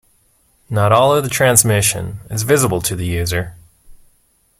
Not all of the transmission is visible to the user.